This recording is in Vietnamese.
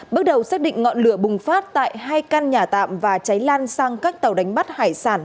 bước đầu xác định ngọn lửa bùng phát tại hai căn nhà tạm và cháy lan sang các tàu đánh bắt hải sản